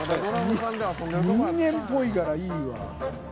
人間っぽいからいいわ。